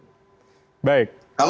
ya silahkan ditaksirkan sendiri